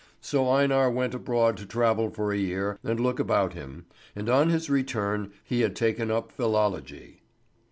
So Einar went abroad to travel for a year and look about him, and on his return he had taken up philology.